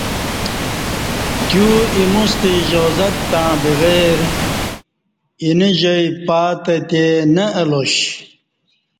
تیو اِیموستہ اِجازت تݩع بغیر اینہ جائ پاتہ تے نہ الاش